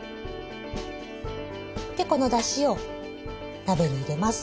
このだしを鍋に入れます。